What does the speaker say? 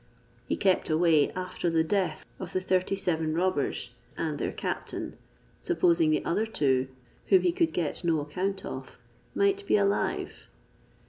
He kept away after the death of the thirty seven robbers and their captain, supposing the other two, whom he could get no account of, might be alive.